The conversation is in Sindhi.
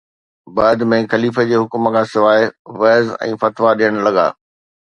بعد ۾ خليفي جي حڪم کان سواءِ وعظ ۽ فتوا ڏيڻ لڳا